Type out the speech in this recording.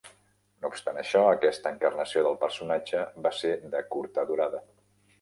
No obstant això, aquesta encarnació del personatge va ser de curta durada.